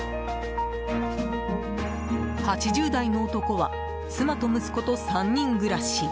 ８０代の男は妻と息子と３人暮らし。